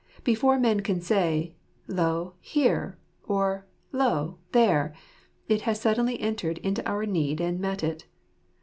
Before men can say, " Lo, here ! or lo, there !" it has suddenly entered into our need and met it.